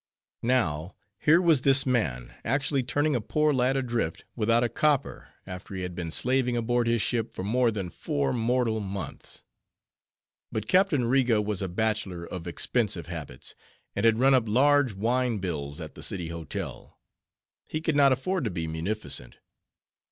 Now, here was this man actually turning a poor lad adrift without a copper, after he had been slaving aboard his ship for more than four mortal months. But Captain Riga was a bachelor of expensive habits, and had run up large wine bills at the City Hotel. He could not afford to be munificent.